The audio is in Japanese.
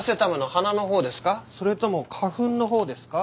それとも花粉のほうですか？